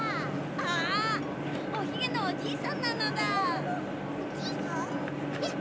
あおひげのおじいさんなのだ。